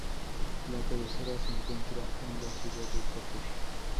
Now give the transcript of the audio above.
La cabecera se encuentra en la ciudad de Cooper.